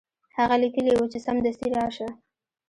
هغه لیکلي وو چې سمدستي راشه.